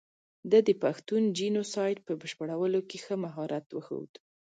ده د پښتون جینو سایډ په بشپړولو کې ښه مهارت وښود.